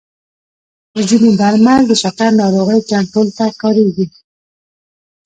ځینې درمل د شکر ناروغۍ کنټرول ته کارېږي.